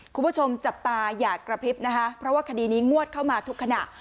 คุณผู้ชมจับตาอย่ากระพริบนะคะเพราะว่าคดีนี้งวดเข้ามาทุกขณะ